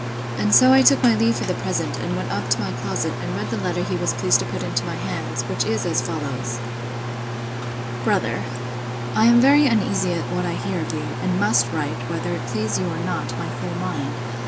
And so I took my leave for the present, and went up to my closet, and read the letter he was pleased to put into my hands; which is as follows:— 'BROTHER, 'I am very uneasy at what I hear of you; and must write, whether it please you or not, my full mind.